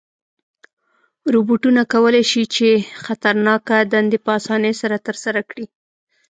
روبوټونه کولی شي چې خطرناکه دندې په آسانۍ سره ترسره کړي.